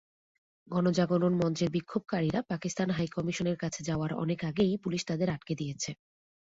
গণজাগরণ মঞ্চের বিক্ষোভকারীরা পাকিস্তান হাইকমিশনের কাছে যাওয়ার অনেক আগেই পুলিশ তাঁদের আটকে দিয়েছে।